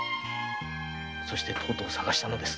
そしてとうとう捜したのです。